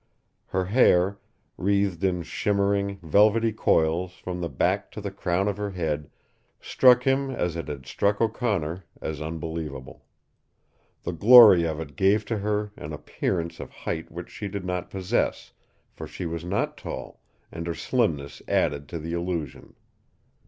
Her hair, wreathed in shimmering, velvety coils from the back to the crown of her head, struck him as it had struck O'Connor, as unbelievable. The glory of it gave to her an appearance of height which she did not possess, for she was not tall, and her slimness added to the illusion.